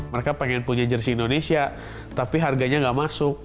mereka pengen punya jersi indonesia tapi harganya nggak masuk